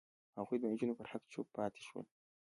هغوی د نجونو پر حق چوپ پاتې شول.